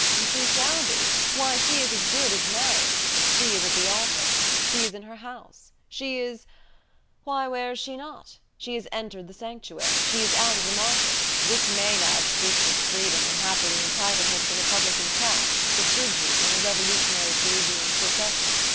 "She shall be. Why, she is as good as married. She is at the altar. She is in her house. She is why, where is she not? She has entered the sanctuary. She is out of the market. This maenad shriek for freedom would happily entitle her to the Republican cap the Phrygian in a revolutionary Parisian procession.